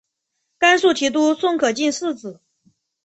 甘肃提督宋可进嗣子。